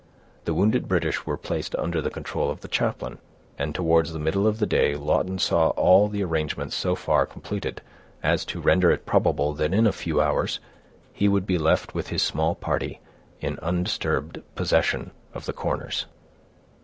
The wounded British were placed under the control of the chaplain; and towards the middle of the day Lawton saw all the arrangements so far completed, as to render it probable that in a few hours he would be left with his small party, in undisturbed possession of the Corners.